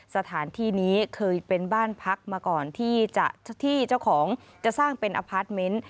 สถานที่นี้เคยเป็นบ้านพักมาก่อนที่เจ้าของจะสร้างเป็นอพาร์ทเมนต์